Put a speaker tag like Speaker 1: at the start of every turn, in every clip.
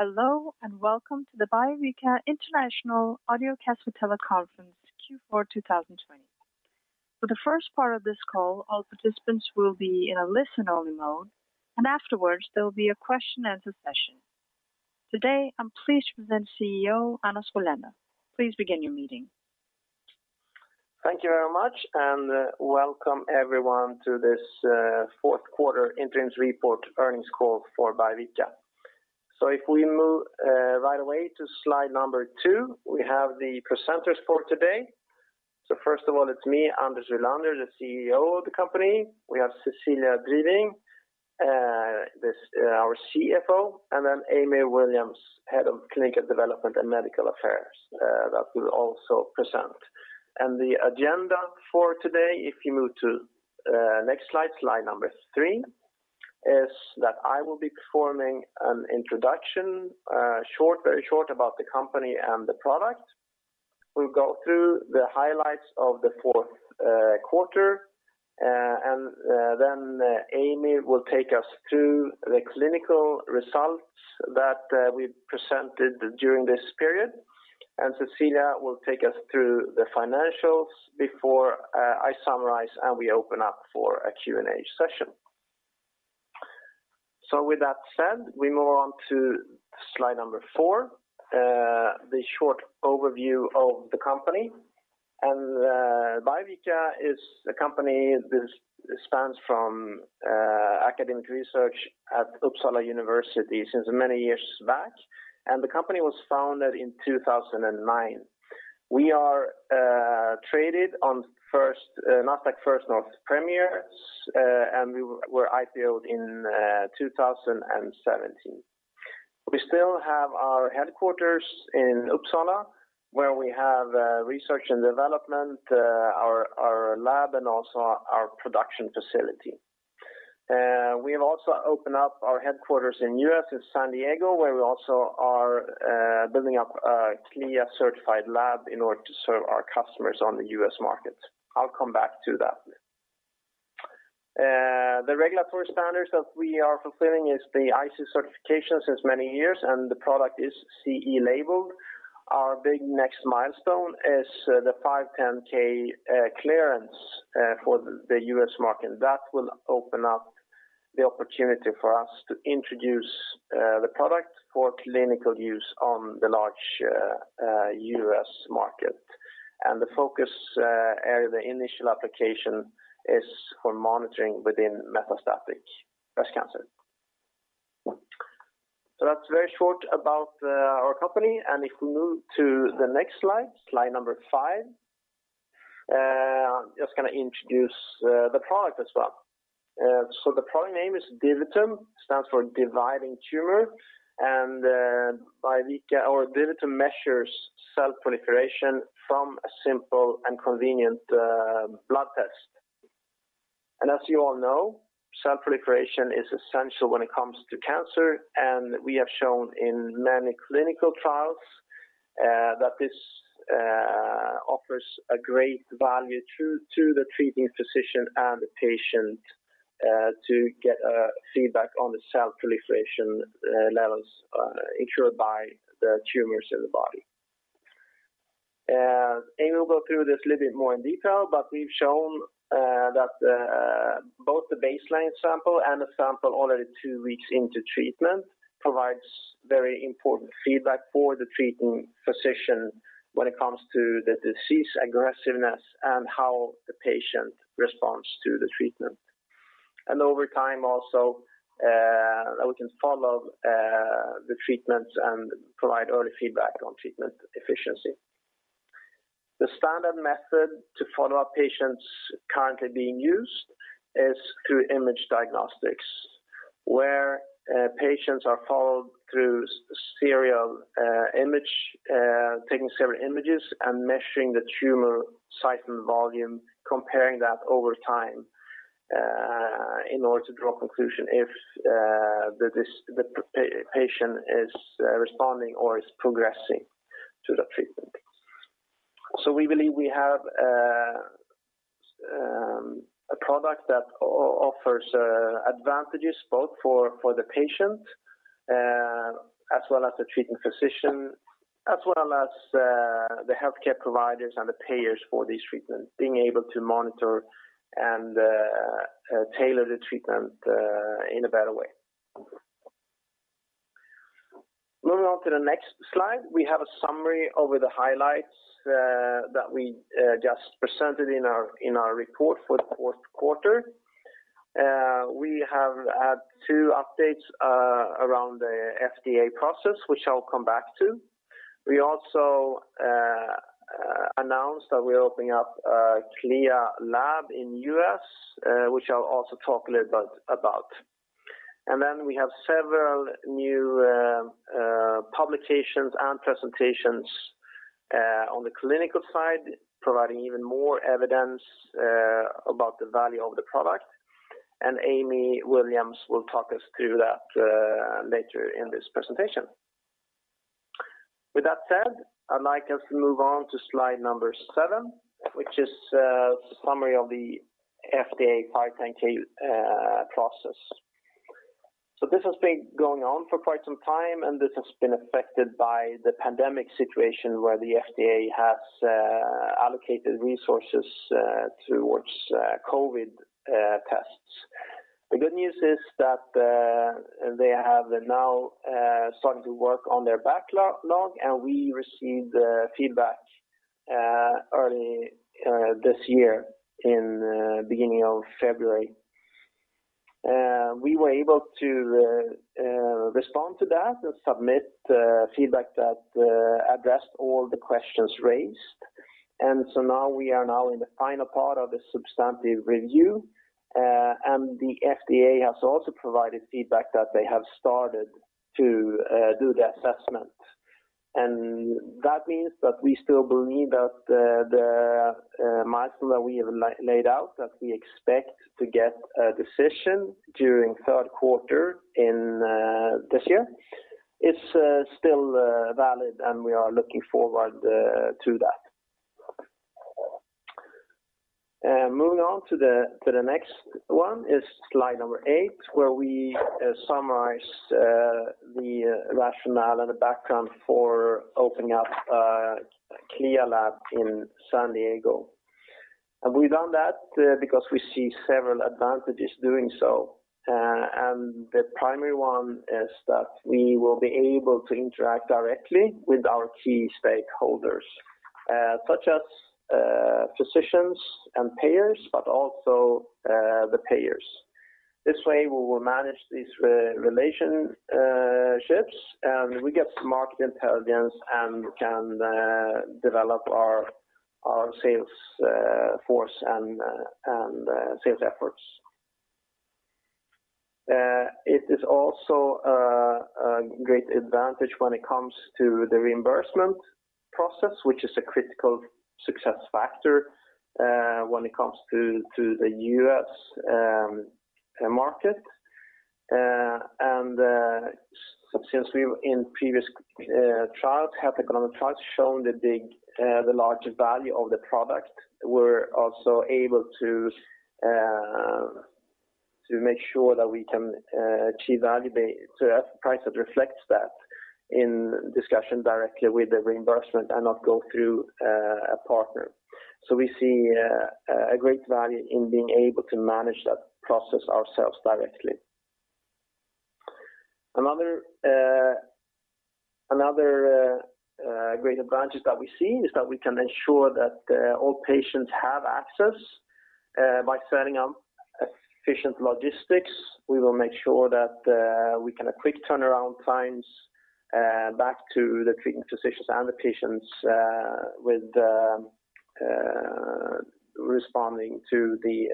Speaker 1: Hello, and welcome to the Biovica International Audio Cast Teleconference Q4 2020. For the first part of this call, all participants will be in a listen-only mode, and afterwards, there will be a question and answer session. Today, I'm pleased to present CEO Anders Rylander. Please begin your meeting.
Speaker 2: Thank you very much, and welcome everyone to this fourth quarter interim report earnings call for Biovica. If we move right away to slide number 2, we have the presenters for today. First of all, it's me, Anders Rylander, the CEO of the company. We have Cecilia Driving, our CFO, and then Amy Williams, Head of Clinical Development and Medical Affairs, that will also present. The agenda for today, if you move to next slide number 3, is that I will be performing an introduction, short, very short about the company and the product. We'll go through the highlights of the fourth quarter, and then Amy will take us through the clinical results that we presented during this period. Cecilia will take us through the financials before I summarize, and we open up for a Q&A session. With that said, we move on to slide number 4, the short overview of the company. Biovica is a company that spans from academic research at Uppsala University since many years back, and the company was founded in 2009. We are traded on Nasdaq First North Premier, and we were IPOed in 2017. We still have our headquarters in Uppsala, where we have research and development, our lab, and also our production facility. We have also opened up our headquarters in the U.S. in San Diego, where we also are building up a CLIA-certified lab in order to serve our customers on the U.S. market. I'll come back to that.. The regulatory standards that we are fulfilling is the ISO certification since many years, and the product is CE marked. Our big next milestone is the 510(k) clearance for the U.S. market. That will open up the opportunity for us to introduce the product for clinical use on the large U.S. market. The focus area, the initial application is for monitoring within metastatic breast cancer. That's very short about our company. If we move to the next slide number five, just gonna introduce the product as well. The product name is DiviTum, stands for dividing tumor. Biovica's DiviTum measures cell proliferation from a simple and convenient blood test. As you all know, cell proliferation is essential when it comes to cancer. We have shown in many clinical trials that this offers a great value to the treating physician and the patient to get a feedback on the cell proliferation levels ensured by the tumors in the body. Amy will go through this a little bit more in detail, but we've shown that both the baseline sample and the sample already two weeks into treatment provides very important feedback for the treating physician when it comes to the disease aggressiveness and how the patient responds to the treatment. Over time also we can follow the treatments and provide early feedback on treatment efficiency. The standard method to follow up patients currently being used is through image diagnostics, where patients are followed through serial image taking several images and measuring the tumor site and volume, comparing that over time in order to draw conclusion if the patient is responding or is progressing to the treatment. We believe we have a product that offers advantages both for the patient as well as the treating physician as well as the healthcare providers and the payers for this treatment, being able to monitor and tailor the treatment in a better way. Moving on to the next slide, we have a summary over the highlights that we just presented in our report for the fourth quarter. We have had two updates around the FDA process, which I'll come back to. We also announced that we're opening up a CLIA lab in U.S., which I'll also talk a little bit about. We have several new publications and presentations on the clinical side, providing even more evidence about the value of the product. Amy Williams will talk us through that later in this presentation. With that said, I'd like us to move on to slide number 7, which is the summary of the FDA 510(k) process. This has been going on for quite some time, and this has been affected by the pandemic situation where the FDA has allocated resources towards COVID tests. The good news is that they have now started to work on their backlog, and we received feedback early this year in beginning of February. We were able to respond to that and submit feedback that addressed all the questions raised. Now we are in the final part of the substantive review, and the FDA has also provided feedback that they have started to do the assessment. That means that we still believe that the milestone that we have laid out, that we expect to get a decision during third quarter in this year is still valid, and we are looking forward to that. Moving on to the next one is slide number 8, where we summarize the rationale and the background for opening up a CLIA lab in San Diego. We've done that because we see several advantages doing so. The primary one is that we will be able to interact directly with our key stakeholders, such as physicians and payers, but also the payers. This way, we will manage these relationships, and we get some market intelligence and can develop our sales force and sales efforts. It is also a great advantage when it comes to the reimbursement process, which is a critical success factor when it comes to the U.S. market. Since in previous trials have shown the larger value of the product, we're also able to make sure that we can achieve value-based so that the price that reflects that in discussion directly with the reimbursement and not go through a partner. We see a great value in being able to manage that process ourselves directly. Another great advantage that we see is that we can ensure that all patients have access by setting up efficient logistics. We will make sure that we can have quick turnaround times back to the treating physicians and the patients with the responding to the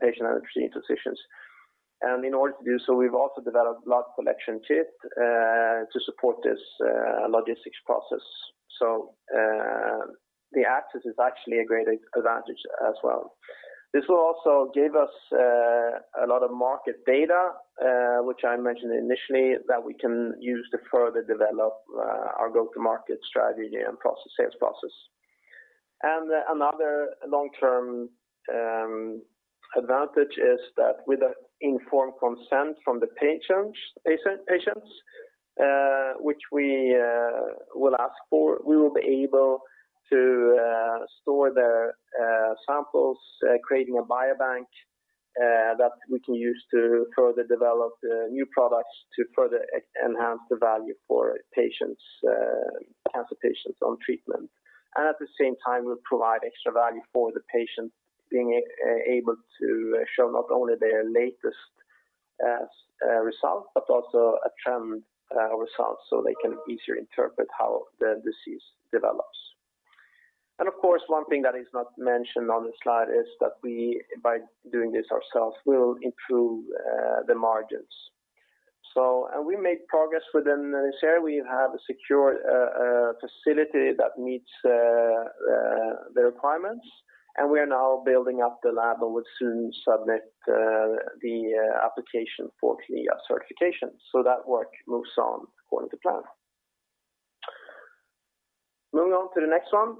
Speaker 2: patient and the treating physicians. In order to do so, we've also developed blood collection kit to support this logistics process. The access is actually a great advantage as well. This will also give us a lot of market data, which I mentioned initially, that we can use to further develop our go-to-market strategy and process, sales process. Another long-term advantage is that with the informed consent from the patients, which we will ask for, we will be able to store their samples, creating a biobank, that we can use to further develop new products to further enhance the value for patients, cancer patients on treatment. At the same time, we'll provide extra value for the patients being able to show not only their latest result, but also a trend result, so they can easier interpret how the disease develops. Of course, one thing that is not mentioned on the slide is that we, by doing this ourselves, will improve the margins. We make progress within this area. We have a secure facility that meets the requirements, and we are now building up the lab and will soon submit the application for CLIA certification. That work moves on according to plan. Moving on to the next one.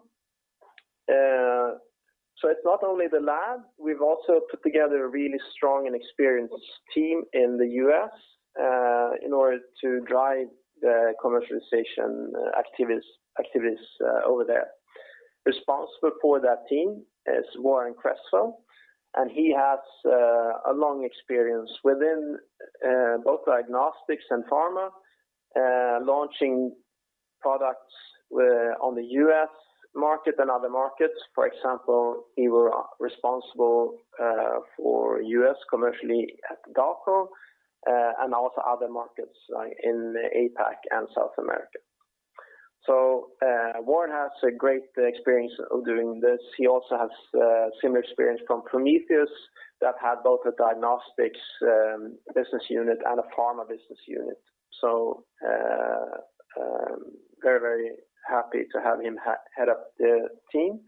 Speaker 2: It's not only the lab, we've also put together a really strong and experienced team in the U.S., in order to drive the commercialization activities over there. Responsible for that team is Warren Cresswell, and he has a long experience within both diagnostics and pharma, launching products on the U.S. market and other markets. For example, he was responsible for U.S. commercially at Halozyme, and also other markets in APAC and South America. Warren has a great experience of doing this. He also has similar experience from Prometheus that had both a diagnostics business unit and a pharma business unit. Very, very happy to have him head up the team.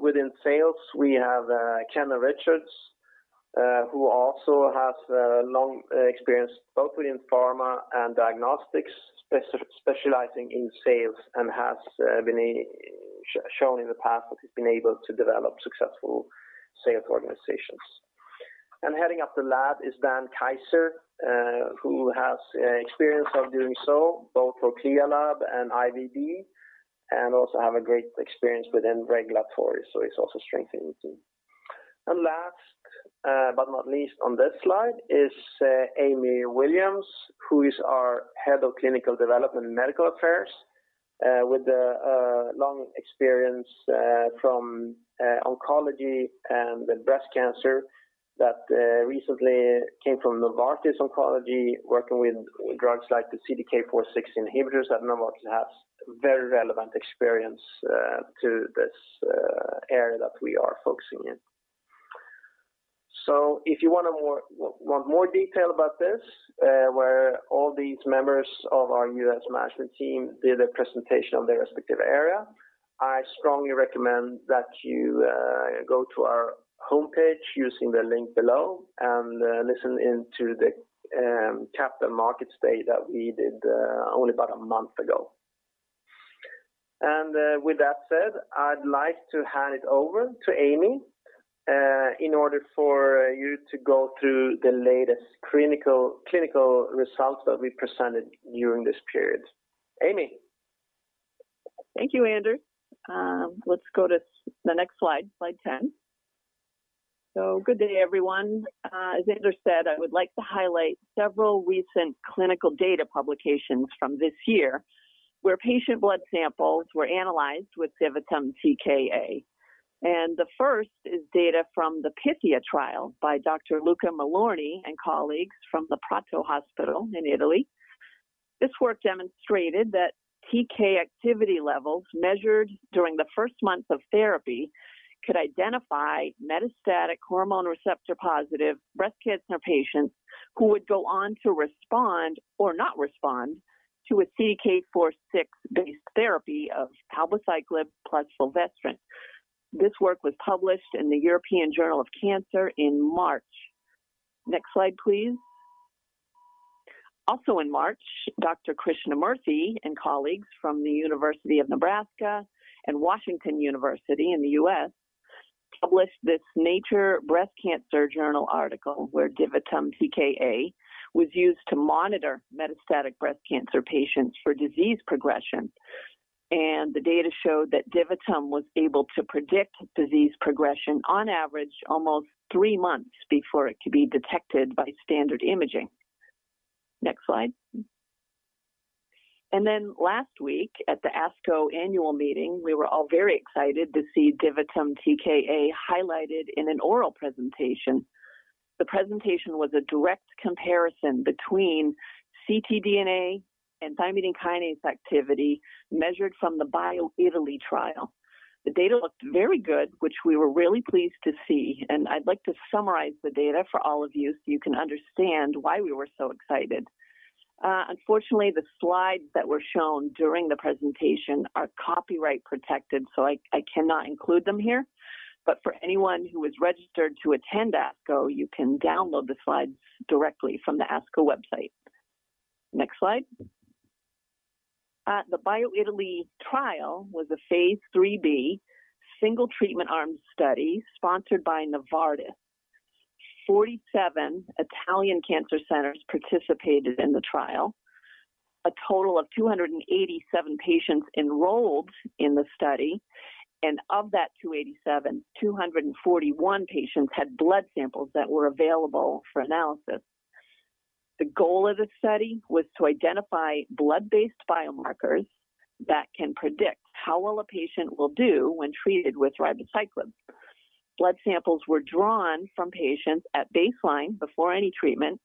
Speaker 2: Within sales, we have Kenna Richards, who also has a long experience both within pharma and diagnostics, specializing in sales and has been shown in the past that she's been able to develop successful sales organizations. Heading up the lab is Dan Kaiser, who has experience of doing so both for CLIA lab and IVD, and also have a great experience within regulatory. It's also strengthening the team. Last, but not least on this slide is Amy Williams, who is our Head of Clinical Development and Medical Affairs, with the long experience from oncology and breast cancer that recently came from Novartis Oncology, working with drugs like the CDK4/6 inhibitors at Novartis. Has very relevant experience to this area that we are focusing in. If you want more detail about this, where all these members of our U.S. management team did a presentation on their respective area, I strongly recommend that you go to our homepage using the link below, and listen to the capital markets day that we did only about a month ago. With that said, I'd like to hand it over to Amy in order for you to go through the latest clinical results that we presented during this period. Amy.
Speaker 3: Thank you, Anders. Let's go to the next slide. Slide 10. Good day, everyone. As Anders said, I would like to highlight several recent clinical data publications from this year where patient blood samples were analyzed with DiviTum TKa. The first is data from the PITIA trial by Dr. Luca Malorni and colleagues from the Hospital of Prato in Italy. This work demonstrated that TK activity levels measured during the first month of therapy could identify metastatic hormone receptor-positive breast cancer patients who would go on to respond or not respond to a CDK4/6-based therapy of palbociclib plus fulvestrant. This work was published in the European Journal of Cancer in March. Next slide, please. Also in March, Dr. Jairam Krishnamurthy and colleagues from the University of Nebraska and Washington University in St. Louis published this npj Breast Cancer article where DiviTum TKa was used to monitor metastatic breast cancer patients for disease progression, and the data showed that DiviTum was able to predict disease progression on average almost three months before it could be detected by standard imaging. Next slide. Then last week, at the ASCO annual meeting, we were all very excited to see DiviTum TKa highlighted in an oral presentation. The presentation was a direct comparison between ctDNA and thymidine kinase activity measured from the BioItaLEE trial. The data looked very good, which we were really pleased to see, and I'd like to summarize the data for all of you so you can understand why we were so excited. Unfortunately, the slides that were shown during the presentation are copyright protected, so I cannot include them here. For anyone who is registered to attend ASCO, you can download the slides directly from the ASCO website. Next slide. The BioItaLEE trial was a phase III-B single-treatment arm study sponsored by Novartis. 47 Italian cancer centers participated in the trial. A total of 287 patients enrolled in the study, and of that 287, 241 patients had blood samples that were available for analysis. The goal of the study was to identify blood-based biomarkers that can predict how well a patient will do when treated with ribociclib. Blood samples were drawn from patients at baseline before any treatment,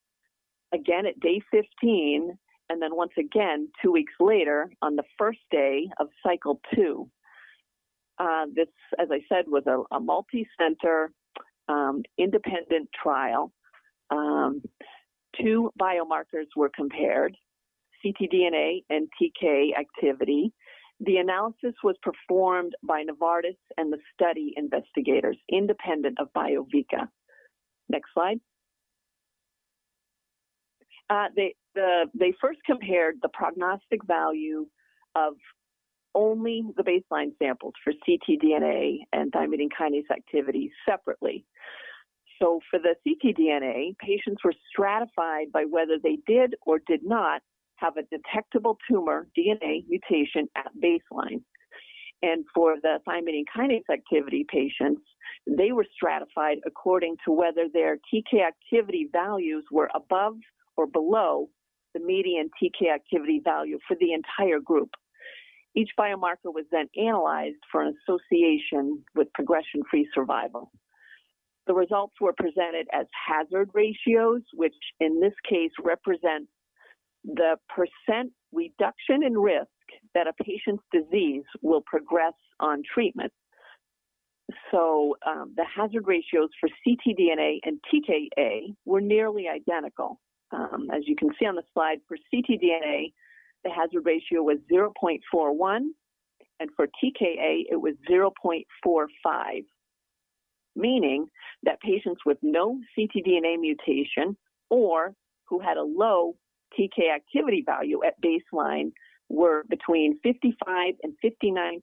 Speaker 3: again at day 15, and then once again two weeks later on the first day of cycle two. This, as I said, was a multicenter, independent trial. Two biomarkers were compared, ctDNA and TK activity. The analysis was performed by Novartis and the study investigators, independent of Biovica. Next slide. They first compared the prognostic value of only the baseline samples for ctDNA and thymidine kinase activity separately. For the ctDNA, patients were stratified by whether they did or did not have a detectable tumor DNA mutation at baseline. For the thymidine kinase activity patients, they were stratified according to whether their TK activity values were above or below the median TK activity value for the entire group. Each biomarker was then analyzed for an association with progression-free survival. The results were presented as hazard ratios, which in this case represent the percent reduction in risk that a patient's disease will progress on treatment. The hazard ratios for ctDNA and TKA were nearly identical. As you can see on the slide, for ctDNA, the hazard ratio was 0.41, and for TKA, it was 0.45, meaning that patients with no ctDNA mutation or who had a low TK activity value at baseline were between 55% and 59%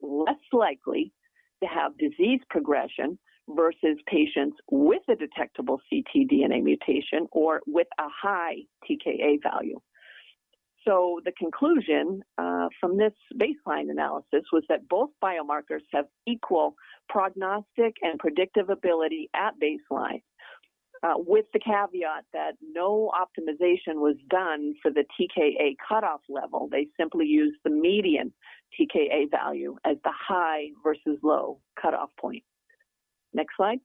Speaker 3: less likely to have disease progression versus patients with a detectable ctDNA mutation or with a high TKA value. The conclusion from this baseline analysis was that both biomarkers have equal prognostic and predictive ability at baseline, with the caveat that no optimization was done for the TKA cutoff level. They simply used the median TKA value as the high versus low cutoff point. Next slide.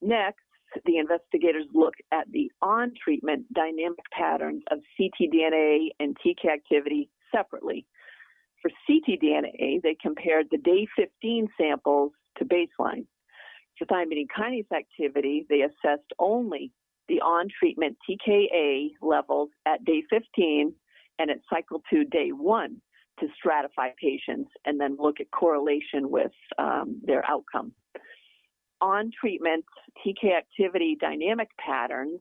Speaker 3: Next, the investigators looked at the on-treatment dynamic patterns of ctDNA and TK activity separately. For ctDNA, they compared the day 15 samples to baseline. For thymidine kinase activity, they assessed only the on-treatment TKa levels at day 15 and at cycle 2, day 1 to stratify patients and then look at correlation with, their outcome. On-treatment TKa activity dynamic patterns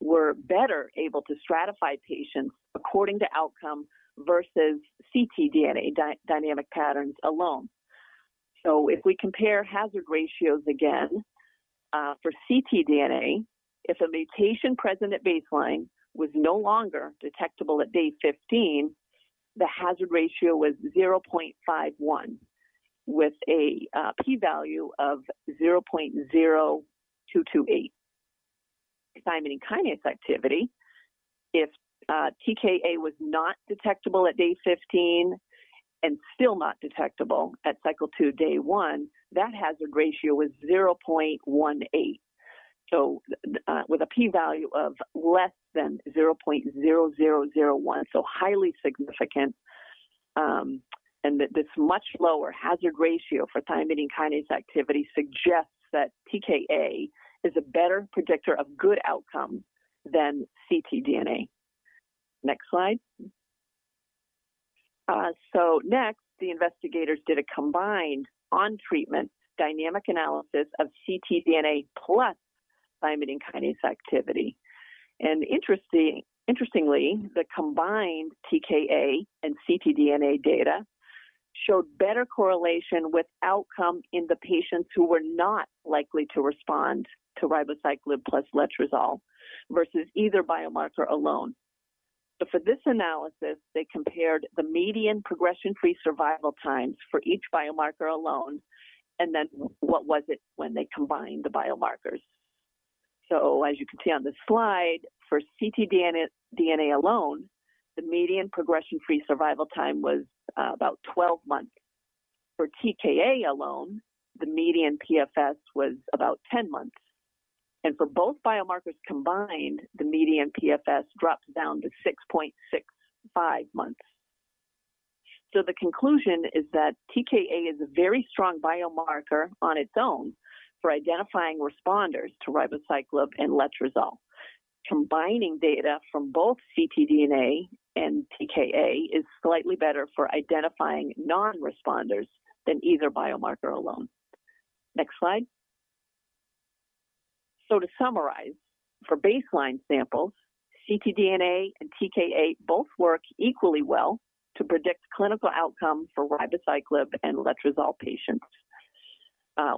Speaker 3: were better able to stratify patients according to outcome versus ctDNA dynamic patterns alone. If we compare hazard ratios again, for ctDNA, if a mutation present at baseline was no longer detectable at day 15, the hazard ratio was 0.51 with a p-value of 0.0228. Thymidine kinase activity, if TKa was not detectable at day 15 and still not detectable at cycle 2, day 1, that hazard ratio was 0.18. With a p-value of less than 0.0001, so highly significant. This much lower hazard ratio for thymidine kinase activity suggests that TKA is a better predictor of good outcome than ctDNA. Next slide. Next, the investigators did a combined on-treatment dynamic analysis of ctDNA plus thymidine kinase activity. Interestingly, the combined TKA and ctDNA data showed better correlation with outcome in the patients who were not likely to respond to ribociclib plus letrozole versus either biomarker alone. For this analysis, they compared the median progression-free survival times for each biomarker alone, and then what was it when they combined the biomarkers. As you can see on the slide, for ctDNA alone, the median progression-free survival time was about 12 months. For TKA alone, the median PFS was about 10 months. For both biomarkers combined, the median PFS drops down to 6.65 months. The conclusion is that TKA is a very strong biomarker on its own for identifying responders to ribociclib and letrozole. Combining data from both ctDNA and TKA is slightly better for identifying non-responders than either biomarker alone. Next slide. To summarize, for baseline samples, ctDNA and TKA both work equally well to predict clinical outcome for ribociclib and letrozole patients.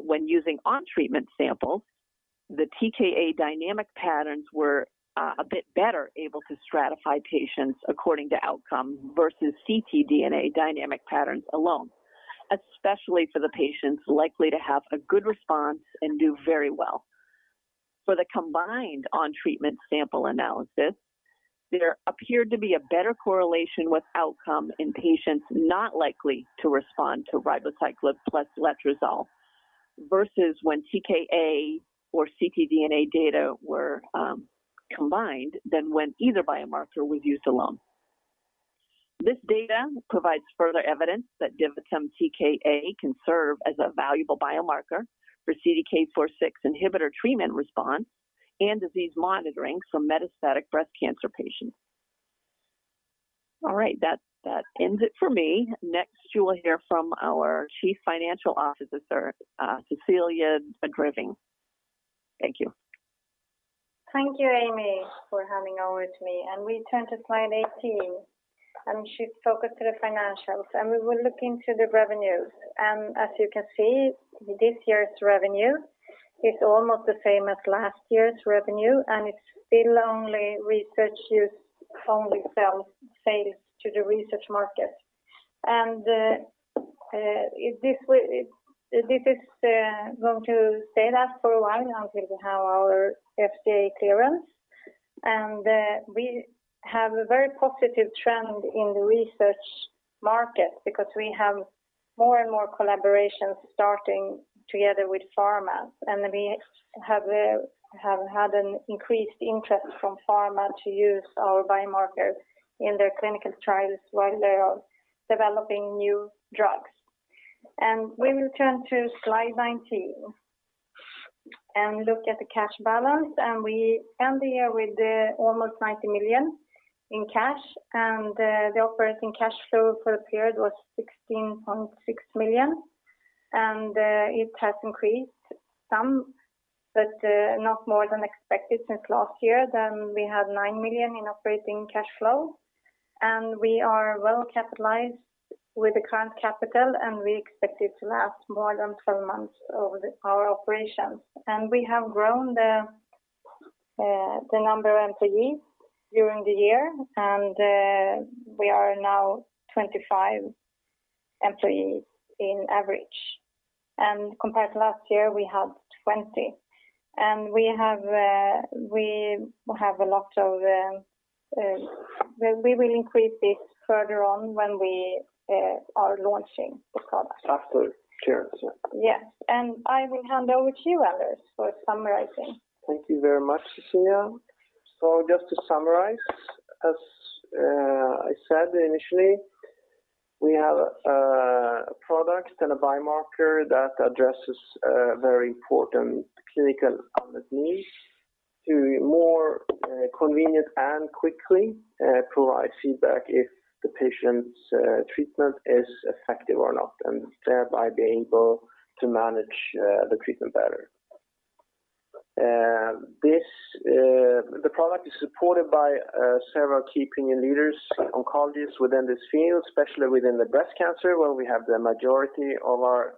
Speaker 3: When using on-treatment samples, the TKA dynamic patterns were a bit better able to stratify patients according to outcome versus ctDNA dynamic patterns alone, especially for the patients likely to have a good response and do very well. For the combined on-treatment sample analysis, there appeared to be a better correlation with outcome in patients not likely to respond to ribociclib plus letrozole versus when TKA or ctDNA data were combined than when either biomarker was used alone. This data provides further evidence that DiviTum TKa can serve as a valuable biomarker for CDK4/6 inhibitor treatment response and disease monitoring for metastatic breast cancer patients. All right, that ends it for me. Next, you will hear from our Chief Financial Officer, Cecilia Driving. Thank you.
Speaker 4: Thank you, Amy, for handing over to me. We turn to slide 18, and we should focus to the financials, and we will look into the revenues. As you can see, this year's revenue is almost the same as last year's revenue, and it's still only research use only sales to the research market. This is going to stay that for a while until we have our FDA clearance. We have a very positive trend in the research market because we have more and more collaborations starting together with pharma. We have had an increased interest from pharma to use our biomarker in their clinical trials while they are developing new drugs. We will turn to slide 19. Look at the cash balance, and we end the year with almost 90 million in cash, and the operating cash flow for the period was 16.6 million. It has increased some, but not more than expected since last year when we had 9 million in operating cash flow. We are well capitalized with the current capital, and we expect it to last more than 12 months over our operations. We have grown the number of employees during the year, and we are now 25 employees on average. Compared to last year, we had 20. We have a lot of. We will increase this further on when we are launching the product.
Speaker 2: After clearance, yeah.
Speaker 4: Yes. I will hand over to you, Anders, for summarizing.
Speaker 2: Thank you very much, Cecilia. Just to summarize, as I said initially, we have a product and a biomarker that addresses very important clinical unmet needs to more convenient and quickly provide feedback if the patient's treatment is effective or not, and thereby being able to manage the treatment better. The product is supported by several key opinion leaders, oncologists within this field, especially within the breast cancer, where we have the majority of our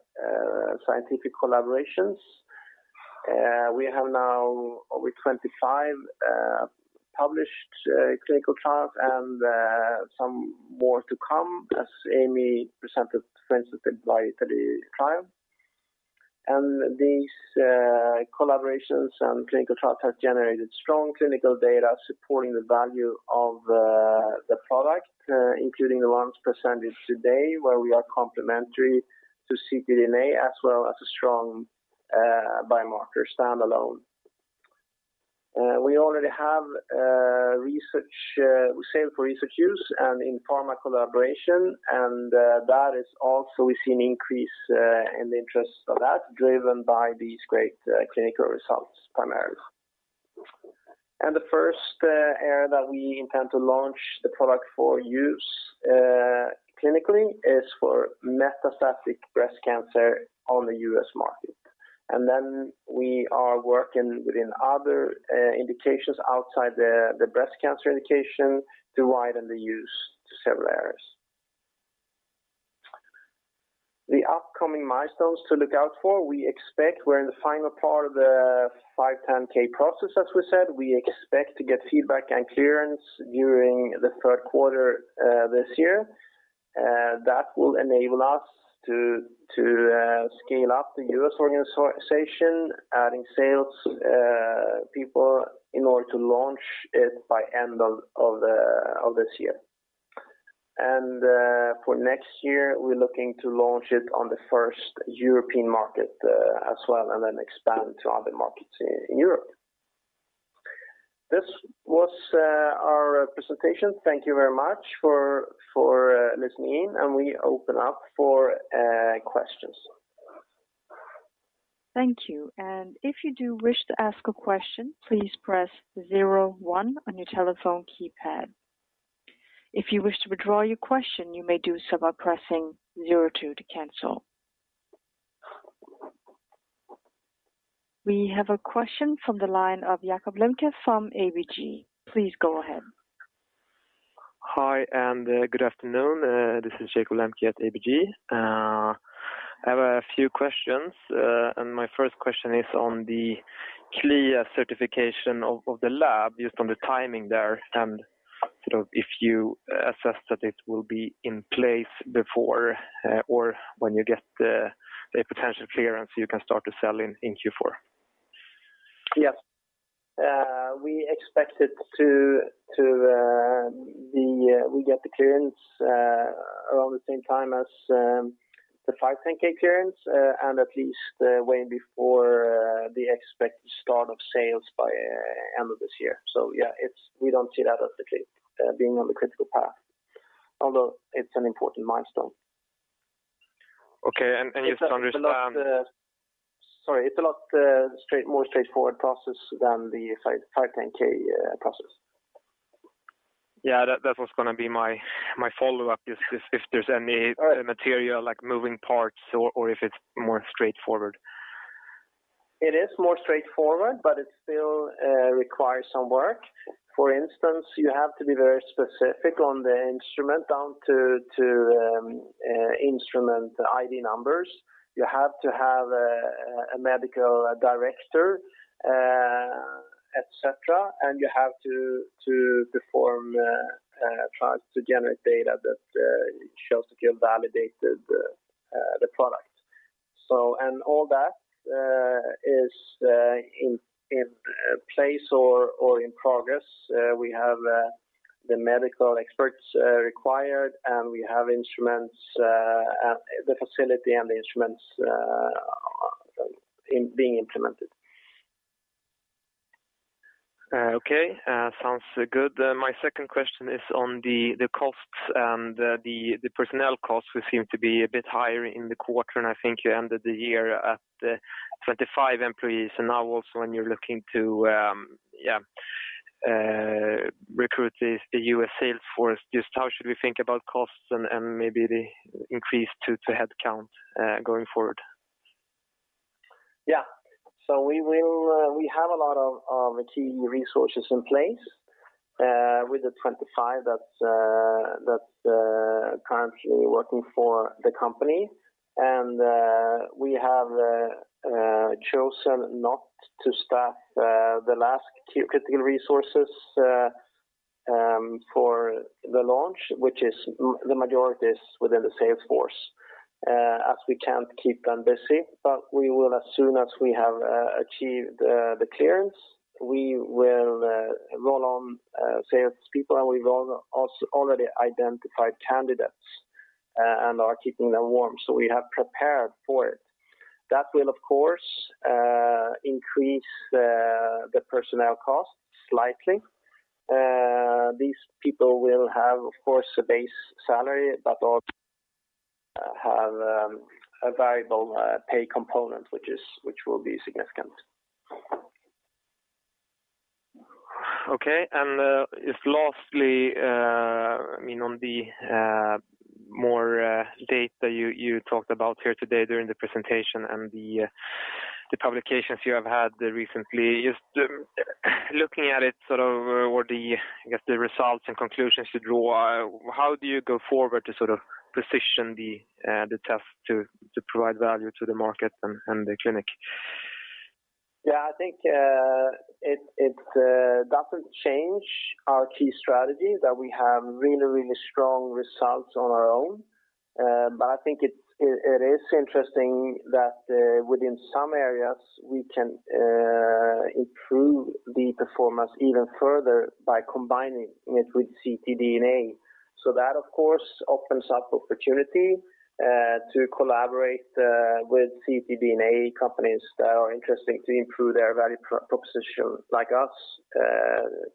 Speaker 2: scientific collaborations. We have now over 25 published clinical trials and some more to come as Amy presented for instance the BioItaLEE trial. These collaborations and clinical trials have generated strong clinical data supporting the value of the product, including the ones presented today, where we are complementary to ctDNA as well as a strong biomarker standalone. We already have research use and in pharma collaboration, and that is also we've seen increase in the interest of that, driven by these great clinical results primarily. The first area that we intend to launch the product for use clinically is for metastatic breast cancer on the U.S. market. We are working within other indications outside the breast cancer indication to widen the use to several areas. The upcoming milestones to look out for, we expect we're in the final part of the 510(k) process, as we said. We expect to get feedback and clearance during the third quarter, this year. That will enable us to scale up the U.S. organization, adding sales people in order to launch it by end of this year. For next year, we're looking to launch it on the first European market, as well, and then expand to other markets in Europe. This was our presentation. Thank you very much for listening, and we open up for questions.
Speaker 1: Thank you. If you do wish to ask a question, please press zero one on your telephone keypad. If you wish to withdraw your question, you may do so by pressing zero two to cancel. We have a question from the line of Jakob Lembke from ABG. Please go ahead.
Speaker 5: Hi, good afternoon. This is Jakob Lembke at ABG. I have a few questions, and my first question is on the CLIA certification of the lab based on the timing there and, you know, if you assess that it will be in place before or when you get the potential clearance, you can start to sell in Q4.
Speaker 2: Yes. We expect to get the clearance around the same time as the 510(k) clearance and at least way before the expected start of sales by end of this year. We don't see that as being on the critical path, although it's an important milestone.
Speaker 5: Okay. Just to understand.
Speaker 2: Sorry. It's a lot more straightforward process than the 510(k) process.
Speaker 5: Yeah. That was gonna be my follow-up is if there's any material like moving parts or if it's more straightforward.
Speaker 2: It is more straightforward, but it still requires some work. For instance, you have to be very specific on the instrument down to instrument ID numbers. You have to have a medical director, et cetera, and you have to perform trials to generate data that shows that you have validated the product. All that is in place or in progress. We have the medical experts required, and we have instruments at the facility and the instruments being implemented.
Speaker 5: Okay. Sounds good. My second question is on the costs and the personnel costs which seem to be a bit higher in the quarter, and I think you ended the year at 25 employees. Now also when you're looking to recruit the U.S. sales force, just how should we think about costs and maybe the increase to headcount going forward?
Speaker 2: Yeah. We will, we have a lot of key resources in place with the 25 that currently working for the company. We have chosen not to staff the last key critical resources for the launch, which the majority is within the sales force as we can't keep them busy. We will as soon as we have achieved the clearance, we will roll out sales people, and we've also already identified candidates and are keeping them warm, so we have prepared for it. That will of course increase the personnel costs slightly. These people will have, of course, a base salary, but also have a variable pay component, which will be significant.
Speaker 5: Okay. If lastly, I mean, on the more data you talked about here today during the presentation and the publications you have had recently, just looking at it, sort of, what the, I guess, the results and conclusions to draw, how do you go forward to sort of position the test to provide value to the market and the clinic?
Speaker 2: I think it doesn't change our key strategy that we have really strong results on our own. I think it is interesting that within some areas we can improve the performance even further by combining it with ctDNA. That, of course, opens up opportunity to collaborate with ctDNA companies that are interesting to improve their value proposition like us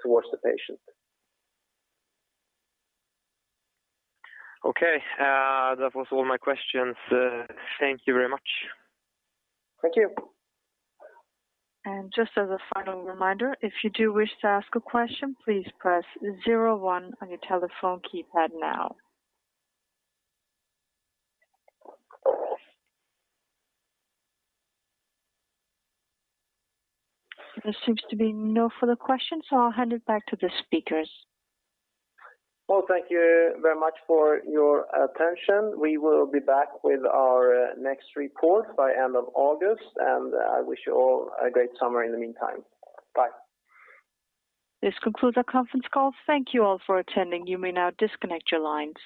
Speaker 2: towards the patient.
Speaker 5: Okay. That was all my questions. Thank you very much.
Speaker 2: Thank you.
Speaker 1: Just as a final reminder, if you do wish to ask a question, please press zero one on your telephone keypad now. There seems to be no further questions, so I'll hand it back to the speakers.
Speaker 2: Well, thank you very much for your attention. We will be back with our next report by end of August, and I wish you all a great summer in the meantime. Bye.
Speaker 1: This concludes our conference call. Thank you all for attending. You may now disconnect your lines.